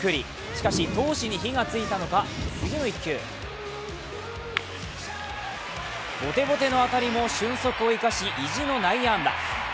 しかし、闘志に火がついたのか次の１球ボテボテの当たりも俊足を生かし、意地の内野安打。